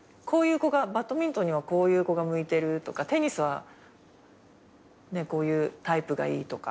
バドミントンにはこういう子が向いてるとかテニスはこういうタイプがいいとか。